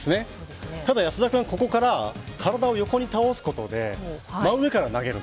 ただ安田君はここから体を横に倒すことで真上から投げる。